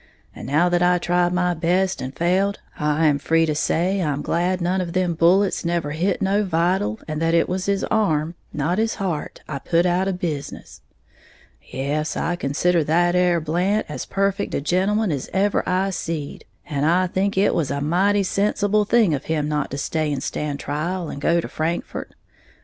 And now that I tried my best and failed, I am free to say I'm glad none of them bullets never hit no vital, and that it was his arm, not his heart, I put out of business. "Yes, I consider that 'ere Blant as perfect a gentleman as ever I seed; and I think it was a mighty sensible thing of him not to stay and stand trial and go to Frankfort.